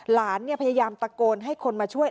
หลานพยายามตะโกนให้คนมาช่วย